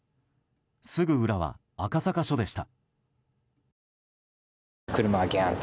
すぐ裏は赤坂署でした。